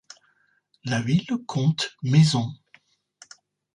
La ville compte maisons.